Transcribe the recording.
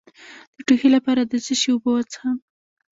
د ټوخي لپاره د څه شي اوبه وڅښم؟